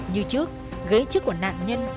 như trước ghế trước của nạn nhân